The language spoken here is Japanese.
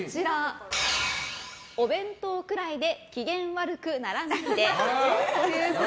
お弁当くらいで機嫌悪くならないで！